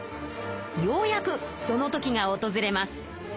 ようやくその時がおとずれます。